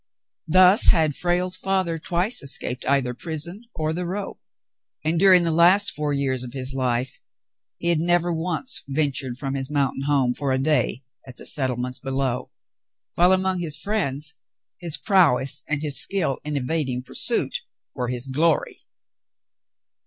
Thus had Frale's father tTsdce escaped either prison or the rope, and during the last four years of his life he had never once ventured from his mountain home for a day at the settlements below; while among his friends his prowess and his skill in evading pursuit were his glory.